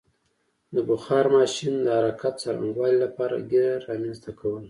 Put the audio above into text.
د بخار ماشین د حرکت څرنګوالي لپاره ګېر رامنځته کول.